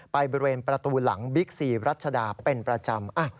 บริเวณประตูหลังบิ๊กซีรัชดาเป็นประจำ